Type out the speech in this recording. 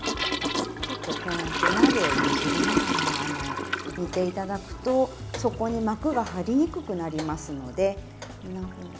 こうやって鍋を揺すりながら煮ていただくと底に膜が張りにくくなりますので。